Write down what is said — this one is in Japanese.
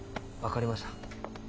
分かりました。